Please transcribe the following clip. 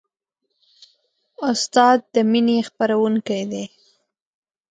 استاد د مینې خپروونکی دی.